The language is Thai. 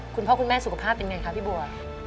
คุณพ่อคุณแม่สุขภาพเป็นไงคะพี่บัว